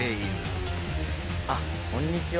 あっこんにちは。